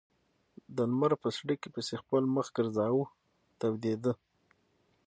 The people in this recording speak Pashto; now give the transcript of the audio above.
د لمر په څړیکې پسې خپل مخ ګرځاوه تودېده.